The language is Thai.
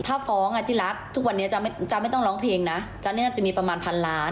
ถ้าฟ้องที่รักทุกวันนี้จ๊ะไม่ต้องร้องเพลงนะจ๊ะนี่น่าจะมีประมาณพันล้าน